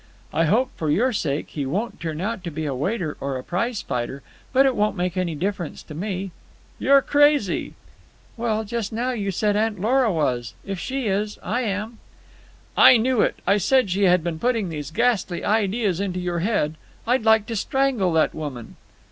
"I hope, for your sake, he won't turn out to be a waiter or a prize fighter, but it won't make any difference to me." "You're crazy!" "Well, just now you said Aunt Lora was. If she is, I am." "I knew it! I said she had been putting these ghastly ideas into your head. I'd like to strangle that woman."